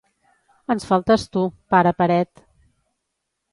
Ens faltes tu, pare paret.